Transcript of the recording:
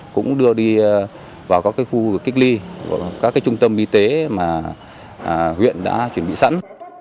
cũng đưa đi vào các khu cách ly các trung tâm y tế mà huyện đã chuẩn bị sẵn